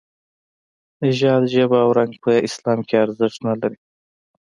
نژاد، ژبه او رنګ په اسلام کې ارزښت نه لري.